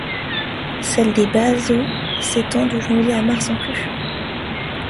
Celle des basses eaux s'étend de janvier à mars inclus.